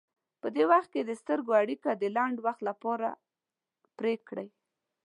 په دې وخت کې د سترګو اړیکه د لنډ وخت لپاره پرې کړئ.